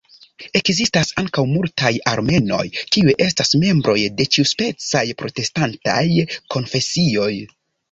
Ekzistas ankaŭ multaj armenoj kiuj estas membroj de ĉiuspecaj protestantaj konfesioj.